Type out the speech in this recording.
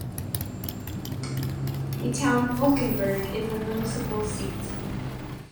The town Falkenberg is the municipal seat.